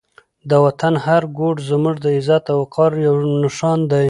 د وطن هر ګوټ زموږ د عزت او وقار یو نښان دی.